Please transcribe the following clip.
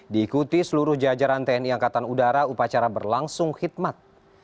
diikuti seluruh jajaran tni angkatan udara upacara berlangsung khidmat